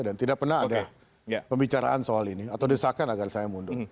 dan tidak pernah ada pembicaraan soal ini atau desakan agar saya mundur